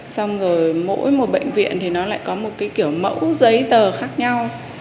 xong rồi mỗi một bệnh viện thì nó lại có một cái kiểu mẫu giấy tờ khác nhau